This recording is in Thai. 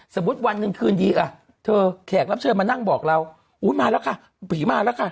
วันหนึ่งคืนดีอ่ะเธอแขกรับเชิญมานั่งบอกเราอุ้ยมาแล้วค่ะผีมาแล้วค่ะ